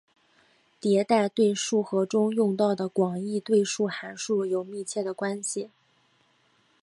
迭代对数和中用到的广义对数函数有密切关系。